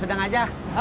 kalau gue gak ada